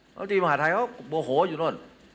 แล้วจีมหาไทยเขาโมโหอยู่นั่น